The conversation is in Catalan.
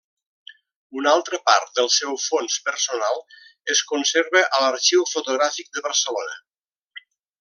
Una altra part del seu fons personal es conserva a l'Arxiu Fotogràfic de Barcelona.